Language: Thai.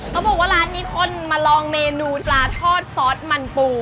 เขาบอกว่าร้านนี้คนมาลองเมนูปลาทอดซอสมันปู